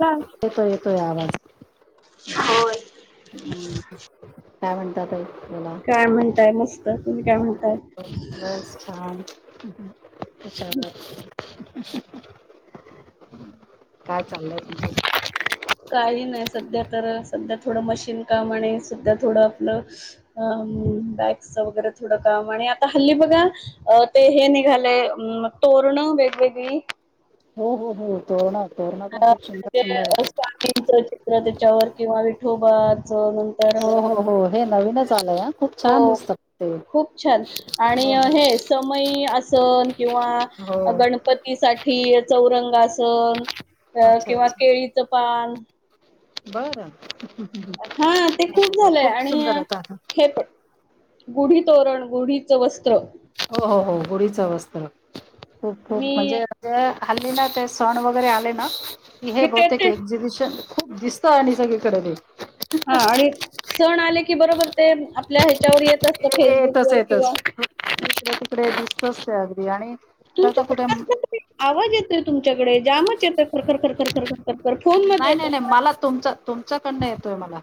का येतोय येतोय आवाज होय. काय म्हणतात ताई? काय म्हणताय मस्त तुम्ही काय म्हणताय? हां ह ह हुशार आहात [unintelligible] काय चाललंय तुझं? काही नाही सध्या तर सध्या थोडं मशीन काम आणि सध्या थोडं आपलं अ बॅगचं वगैरे थोडं काम आणि आता हल्ली बघा अ ते हे निघाले तोरणं वेगवेगळी हो हो हो तोरण तोरणं पण खूप सुंदर सुंदर होत. च चित्र त्याच्यावर किंवा विठोबात हो हो हो हे नवीनच आलंय खूप हो छान दिसतं. ते खूप छान आणि हो हे समई असन किंवा हो हो गणपती पतीसाठी चौरंगासन अ अच्छा किंवा अच्छा केळीचं पान बरं हा ते खूप झालंय सुंदर आणि होता आता हे पण गुढी तोरण गुढीचं वस्त्र हो हो हो गुढीचं वस्त्र खूप खूप मी म्हणजे ज हल्ली ना ते सण वगैरे आले ना की हे कि ते बहुतेक ते एक्झिबिशन खूप दिसत आणि सगळीकडे ते. हा आणि सण आले की बरोबर ते आपल्या ह्याच्यावर येत अस ते येतच येतस इकडे तिकडे दिसतस अगदी आणि तू आता कुठ तुमच्याकडे म कसला तरी आवाज येतोय तुमच्याकडे जामच येतो खरखर खरखर खरखर फोन मध्ये येतोय ना? तुमच्याकडन येतोय मला.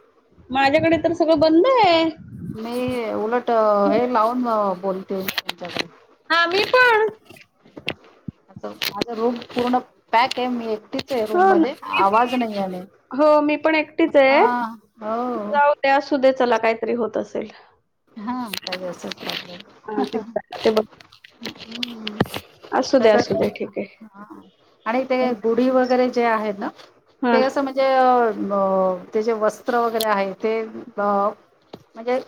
माझ्याकडे तर सगळं बंद हाय. मी उलट हे लावून बोलते तुमच्याकडे. हा मी पण! माझ रूम पूर्ण पॅक आहे मी एकटीच एकटीच आहे रूम हो मध्ये ना आवाज नाही आले हो मी पण आ हो. ते असुदे चला काहीतरी होत असेल. हा आताजसच चालेल. हा ते हम्म, ते बघ असू दे आता असू दे येतोय का? ठीक आहे. आणि ते गुढी वगैरे जे आहेत ना हा ते अस म्हण ज न ते जे वस्त्र वगैरे आहे ते अ म्हणजे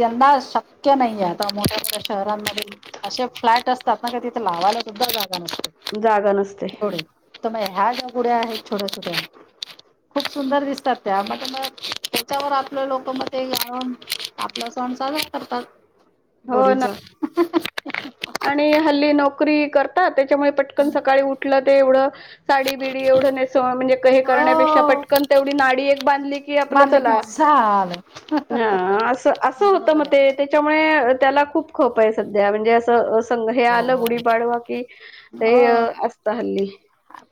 यंदा शक्य नाहीे आता मोठ्या मोठ्या शहरांमध्ये. असे फ्लॅट असतात ना का तिथे लावायला सुद्धा जागा नसते. जागा नसते! होय, तर मग ह्या ज्या गुढ्या आहेत छोट्या छोट्या खूप सुंदर दिसतात त्या म मग त्याच्यावर आपले लोक मग ते ऍडव्हान्स मग संसारच करतात हो ना गोडीचा आणि हल्ली नोकरी करताात त्याच्यामुळे पटकन सकाळी उठल ते एवढं. साडी बिडी एवढं नेसवा म्हणजे हे करण्यापेक्षा हो पटकन तेवढी नाडी एक बांधली की आपलं चला सात हा अस असं होतं मग आहे ते. त्याच्यामुळे त्याला खूप खप आहे सध्या म्हणजे अस अस संघ हे हो आलं हो. गुढीपाडवा की ते हो असत हल्ली.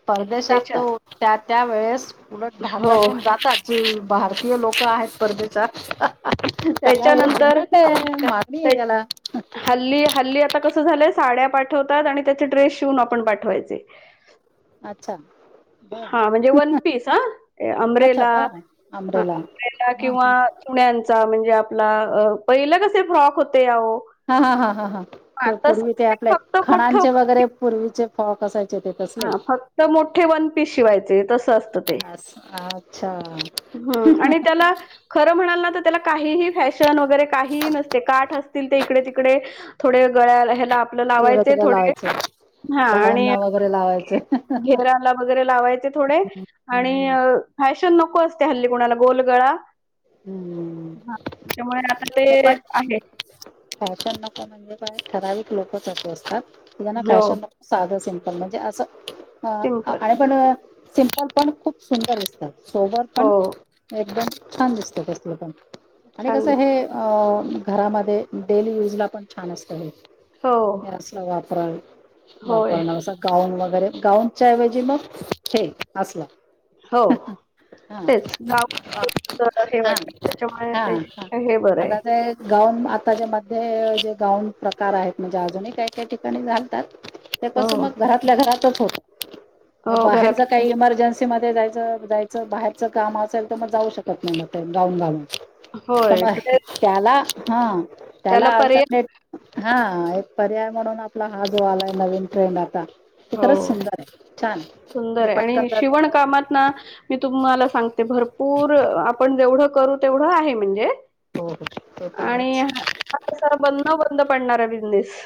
परदेशात तो त्याच्या त्या त्या वेळेस उलट हो हातातून जातात. जी भारतीय लोक आहेत परदेशात त्याला हे त्याच्यानंतर जमत हाय माती हाय याला. हल्ली हल्ली आता कसं झालंय साड्या पाठवतात आणि त्याचे ड्रेस शिवून आपण पाठवायचे. [inaudible] अच्छा! बर हा म्हणजे वन पीस ह अच्छा आंब्रेला. बर आंब्रेला [unintelligible] हा किंवा चुण्याचा म्हणजे आपला पहिलं कसे फ्रॉक होते अहो हा हा ह ह हां हा ते तसं पूर्वी ते आपल्या फक्त मोठं खणाचे वगैरे पूर्वीचे फ्रॉक असायचे. ते तसले हा फक्त मोठे वन पीस शिवायचे तस असतं ते. अच्छा! ह आणि त्याला खर म्हणाल ना तर त्याला काही फॅश न वगैरे काहीही नसते काठ असतील ते इकडे तिकडे थोडे गळ्याला ह्याला बटण ते लावायचे थोडे हा आणि बरे लावायचे. घेराला वगैरे लावायचे थोडे आणि फॅशन नको असते हल्ली कुणाला गोलगळा हम्म हा त्यामुळे पण फॅशन नक म्हणजे प ठराविक लोकच असतात तझना हो फॅशन साधं सिम्पल म्हणजे असं अ सिम्पल आणि पण सिमपल पण खूप सुंदर दिसतात सोबर हो पण एकदम छान दिसतं असलं पण आणि छान कसं दिस हे घरामध्ये डेली यूज ला पण छान असत हे हो हे असला वापरा होय वापर नसा गाऊन वगैरे गाउनच्या ऐवजी मग े असला हो हा तेच गाव हा तर हे वाटत त्याच्यामुळे हा हा त्या हे बरं आहे आदा झप गाऊन आताच्या मध्ये जे गाऊन प्रकार आहेत म्हणजे अजूनही काही काही ठिकाणी घलतात ह ते पण मग घरातल्या घरातच होत मग हो बाहेरच घरात काही इमर्जन्स सिटि मध्ये जायचं जायचं बाहेरच काम असेल तर मग जाऊ शकत नाही मग ते गाऊड गालून होय म ड्रेस त्याला हा त्याला अल्टरनेट हा एक पर्याय म्हणून आपला हा जो आलाय नवीन ट्रेंड आता ते हो खरंच सुंदर आहे छान आहे. सुंदर म्हणजे आहे पटकन आणि जात शिवण कामात ना मी तुम्हाला सांगते भरपूर आपण जेवढं करू तेवढं आहे म्हणजे हो हो ते तर आहेच आणि सब न बंद पडणार आहे बिजनेस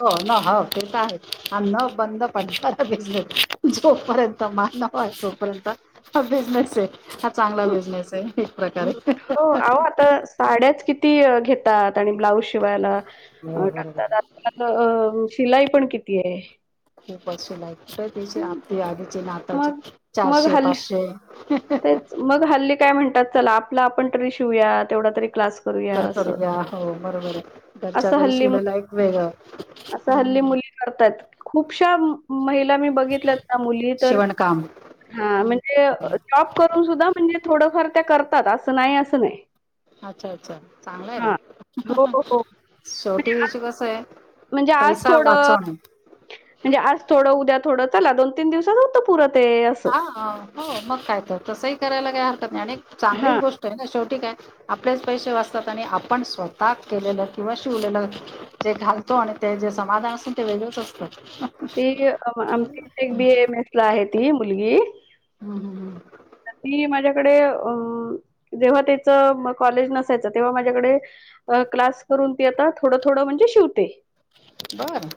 हो न हो ते तर आहे आणि न बंद पडता भेज जोपर्यंत मान होय तोपर्यंत हा बिझनेस आहे हा चांगला बिझनेस आहे एक हो प्रकारे. अहो आता साड्याच किती घेतात आणि ब्लाऊज शिवायला हो बरोबर टाकतात. आहे. आ अ शिलाई पण किती आहे खूपश लाशय ना आपदी आजचे ना आताचे मग मग चारशे हल्ली पाचशे तेच मग हल्ली काय म्हणतात चला आपलं आपण तरी शिवया तेवढा तरी क्लास करूया कर असं करया हो बरोबर घरच्या असं घरी हल्ली शिवलेला एक वेगं हम्म करतात खूपश्या महिला मी बगिला ना मुली तर शिवणकाम ह म्हणजे जॉब करून सुद्धा म्हणजे थोडंफार त्या करतात असं नाही असं नाही अच्छा अच्छा चांगलं आहे हां. हो, ना हो. शेवटी विषयं कस आहे म्हणजे आज पैसा थोडं वाचवणे म्हणजे आज थोडं उद्या थोडं चला दोन तीन दिवसात होतो. पुूर ते असं हा हो मग काय तर तसही करायला काय हरकत नाही आणि चांगलीच हा गोष्ट शेवटी काय आपलेच पैसे वाचतात आणि आपण स्वतः केलेलं किंवा शिवलेलं जे घालतो आणि ते जे समाधान असत ते वेगळंच असतं. ती आमच्या एक बी एम एस ला आहे ती मुलगी हम् हम हम ती माझ्याकडे अ जेव्हा त्याचं म कॉलेज नसायचं तेव्हा माझ्याकडे अ क्लास करून ती आता थोडं थोडं म्हणजे शिवते. बरं.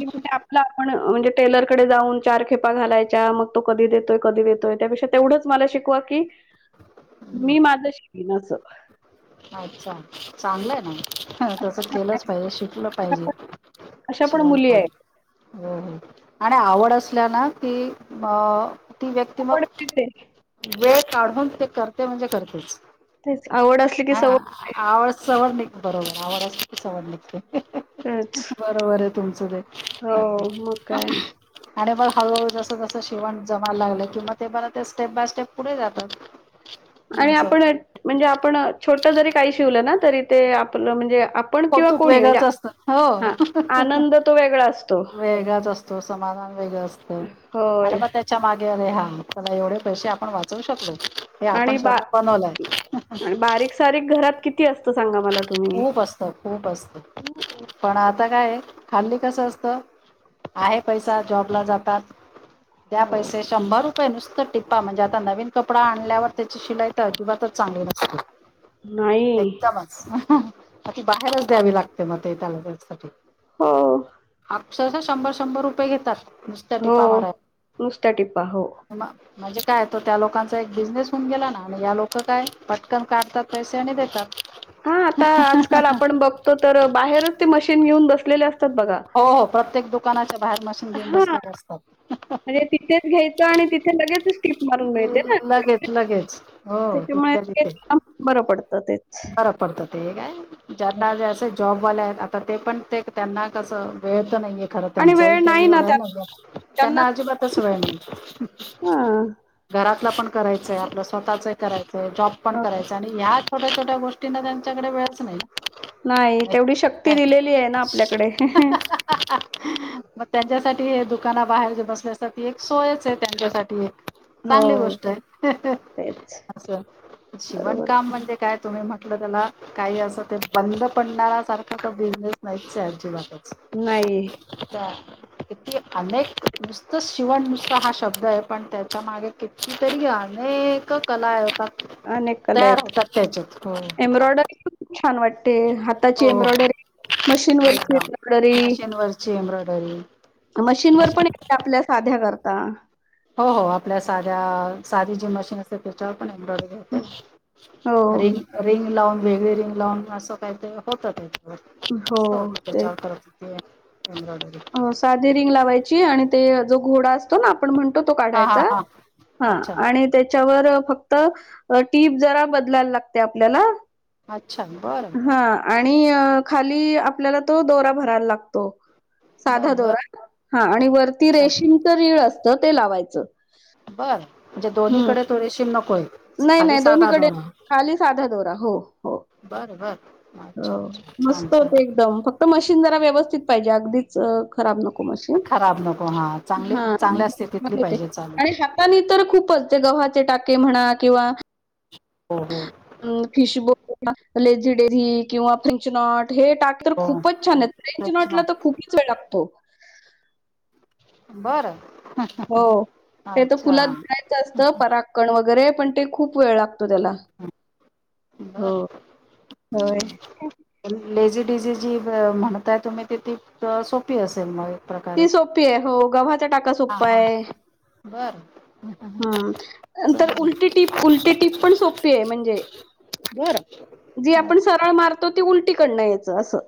ते म्हणते आपले आपण म्हणजे टेलरकडे जाऊन चार खेपा घालायच्या मग तो कधी देतोय कधी देतोय त्यापेक्षा तेवढंच मला शिकवा की हं. मी माझं शिकन असं अच्छा चांगलंय ना हा तस केलंच पाहिजे शिकलं पाहिजे अशा पण शिवण मुली काम आहेत हो हो आणि आवड असल्या ना की अ ती व्यक्ती मग आवड मिळते वेळ काढून ते करते म्हणजे करतेच तेच आवड असली की हा आवड चवड निघ बरोबर आवड असलं की सवड निघते सवयच बरोबर बरोबर आहे तुमचं ते हो मग काय अगदी आणि मग हळूहळू जसं जसं शिवण जमायला लागलं किंवा ते ब ते स्टेप बाय स्टेप पुढे जातात. आणि असं आपण म्हणजे आपण छोट जरी काही शिवलं ना तरी ते आपलं म्हणजे आपण किंवा कौतुक कोणी म्हणजे वेगळच असतं हा हो आनंद तो वेगळा असतो वेगळच असत. समाधान वेगळं असत आणि होय मग त्याच्या मागे अरे हा चला एवढे पैसे आपण वाचवू शकलो. हे आपण आणि स्वतः बनवलंय. सारी घरात किती असतं सांगा मला त खूप असत खूप असत. पण तेच आता काय खाल्ली कसं असत आहे पैसा जॉबला जातात द्या हो पैसे शंभर रुपये नुसतं टिप्पा म्हणजे आता नवीन कपडा आणल्यावर त्याची शिलाई तर अजिबातच चांगली नसते. [inaudible] एकदमच मग ती बाहेरच द्यावी लागते मग ते त्याला त्यासाठी हो अक्षरशः शंभर शंभर रुपये घेतात नुसत्या हो टिपा माराय. नुसत्या टिपा हो म्हणजे काय तो त्या लोकांचा एक बिजनेस होऊन गेला ना आणि या लोकं काय पटकन काढतात पैसे आणि देतात. हा आता आजकाल आपण बघतो तर बाहेरच ते मशीन घेऊन बसलेले असतात बघा. हो हो प्रत्येक दुकानाच्या बाहेर मशिन हा म्हणजे तिथेच घ्यायचं आणि तिथे लगेचच टीप मारून मिळते ना लगेच लगेच हो त्याच्यामुळे तिथल्या ते बरं पडतं तेच पडत ते काय ज्यांना जे जॉबवाले आहेत आता ते पण ते त्यांना कस वेळत नाहीय खरं आणि त्यांचाही वेळ काही नाही ना एवढा आहे त्या न त्यांना अजिबातच वेळ नाही हा. घरातलं पण करायचंय आपलं स्वतःच करायचंय जॉब पण करायचं आणि ह्याच छोट्या छोट्या गोष्टीं त्यांच्याकडे वेळच नाही. नाही तेवढी शक्ती दिलेली आहे ना आपल्याकडे ह ह मग त्यांच्यासाठी दुकाना बाहेर जे बसले असतात ती एक सोयच आहे त्यांच्यासाठी एक हो चांगली गोष्ट आहे तेच अस शिवण बरोबर आहे. काम म्हणजे काय तुम्ही म्हटलं त्याला काही असं ते बंद पडणार सारखा का बिझनेस नाहीच अजिबात नाही त्या कती अनेक नुसतं शिवण नुसत हा शब्द आहे पण त्यात त्या मागे किकी तरी अनेक कला आहे होता अनेक कला आहेत एम्ब्रॉयडरी खूप छान वाटते ह त्याची हो हो एम्ब्रॉयडरी मशीनवररची एकदम एम्ब्रॉयडरी मशीनवरची एम्ब्रॉयडरी मशीन वर पण य आपल्या साध्या करता हो हो आपल्या साध्या साधी जी मशीन त्याच्या पण एम्ब्रॉयडरी हो रिंग रिंग लावून वेगळी रिंग लावून असं काही ते होत हो मस्त होतं ते तेच. चार करत एम्ब्रॉडरी साधी रिंग लावायची आणि ते जो घोडा आपण म्हणतो तो हा हा काढायचा हा हा अच्छा आणि त्याच्यावर फक्त टीप जरा बदलायला लागते आपल्याला अच्छा बरं हां आणि खाली आपल्याला तो दोरा भरायला लागतो. साधा बरं बरं दोरा हा आणि वरती अच्छा रेशीमच रीळ असतं ते लावायचं. बर म्हणजे हं. दोन्हीकडे थोडेशीर नकोय? नाही खाली नाही साधा दोन्हीकडे दोरा खाली साधा दोरा हो हो बरं बरं हो अच्छा अच्छा छान मस्त छान होते एकदम फक्त मशीन जरा व्यवस्थित पाहिजे अगदी खराब नको मशीन खराब नको चांगली हा चांगल्या स्थितीतली पाहिजे चालू तर खूपच गव्हाचे टाके म्हणा किंवा हो हो खिशबो लेझी डेझी किंवा फिंचनॉट हे टाक तर हो खूपच छान आहेत फ्रेंच नॉटला अच्छा तर खूपच वेळ लागतो. बरं हो ते तर अच्छा फुलात जायचं असतं पराकण वगैरे पण ते खूप वेळ लागतो त्याला हो. बर होय. हम्म लेझी डडीझी जी म्हणताय तुम्ही ति ती सोपी असेल मग? प्रकारे ती सोपी आहे हो गव्हाचा टाका हा सोप्पा हा आहे. बर हम्म नंतर चालेल उलटी टीप उलटी टीप पण सोपी आहे म्हणजे बरं जी आपण सरळ मारतो ती उलटीकडनं यायचं असं.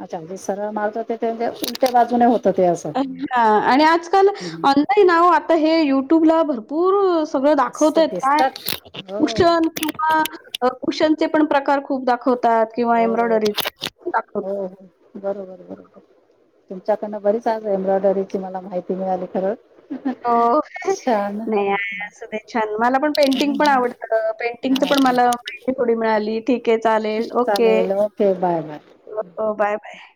अच्छाे सरळ माारत हो ते उलट्या बाजूने होत ते हा आणि आजकाल ऑनलाईनव आता हे युट्यूबला भरपूर सगळ असं दाखवताय काय दिसतात हो कुषण हो कुशनचे पण प्रकार खूप दाखवतात किंवा हो एम्ब्रॉयडरी दाखवतात. हो बरोबर बरोबर तुमच्याकडनं बरीच आज एम्ब्रॉयडरीची मला माहिती मिळाली खरं हो छान नाही असं दे छान मला पण पेंटिंग पण आवडत पेंटिंगच पण हा मला माहिती थोडी मिळाली ठीक आहे चालेल okay okay bye bye bye bye.